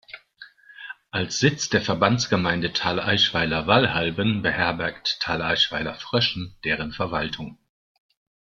Als Sitz der Verbandsgemeinde Thaleischweiler-Wallhalben beherbergt Thaleischweiler-Fröschen deren Verwaltung.